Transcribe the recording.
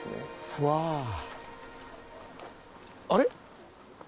うわ。あれ？